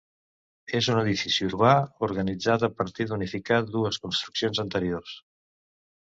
És un edifici urbà organitzat a partir d'unificar dues construccions anteriors.